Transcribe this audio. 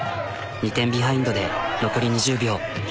２点ビハインドで残り２０秒。